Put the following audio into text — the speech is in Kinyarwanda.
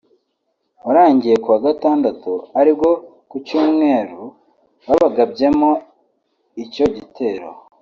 warangiye ku wa gatandatu ari bwo ku cyumweru babagabyeho icyo gitero